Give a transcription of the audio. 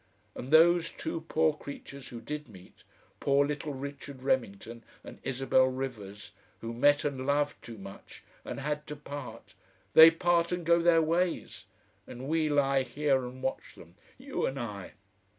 And those two poor creatures who did meet, poor little Richard Remington and Isabel Rivers, who met and loved too much and had to part, they part and go their ways, and we lie here and watch them, you and I.